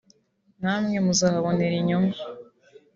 namwe muzahabonera inyungu